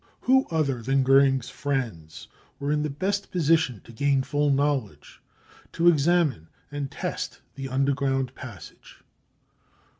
Who other than Goering's friends were in the best position to gain full knowledge, to examine and test the underground passage